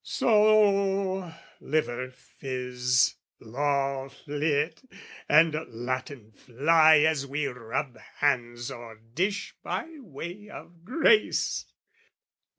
So, liver fizz, law flit and Latin fly As we rub hands o'er dish by way of grace!